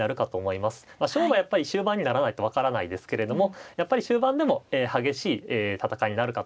勝負はやっぱり終盤にならないと分からないですけれどもやっぱり終盤でも激しい戦いになるかと思います。